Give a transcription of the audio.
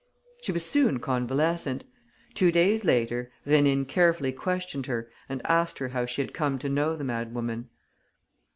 She was soon convalescent. Two days later, Rénine carefully questioned her and asked her how she had come to know the madwoman.